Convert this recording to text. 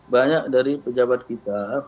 banyak dari pejabat kita